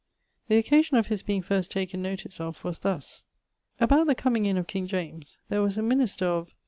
The occasion of his being first taken notice of was thus[XXXIV.]: About the comeing in of king James, there was a minister of